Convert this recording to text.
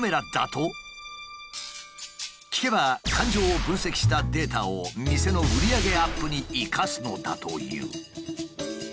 聞けば感情を分析したデータを店の売り上げアップに生かすのだという。